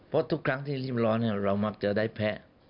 เพราะทุกครั้งที่ริ่มร้อนเรามักจะได้แพ้